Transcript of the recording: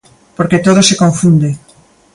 Porque todo se confunde.